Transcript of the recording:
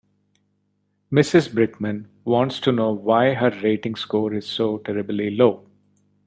Mrs Brickman wants to know why her rating score is so terribly low.